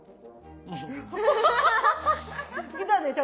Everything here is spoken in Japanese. きたでしょ？